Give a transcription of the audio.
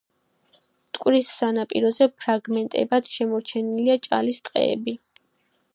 მტკვრის სანაპიროზე ფრაგმენტებად შემორჩენილია ჭალის ტყეები.